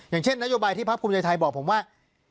อย่างเช่นนโยบายที่พักภูมิใจไทยบอกผมว่า